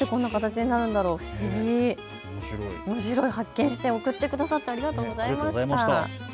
おもしろい発見して送ってくださいましてありがとうございました。